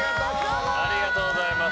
ありがとうございます。